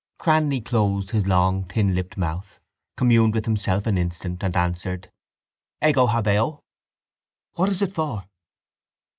Cranly closed his long thinlipped mouth, communed with himself an instant and answered: —Ego habeo. —What is it for?